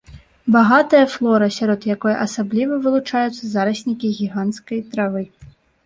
Багатая флора, сярод якой асабліва вылучаюцца зараснікі гіганцкай травы.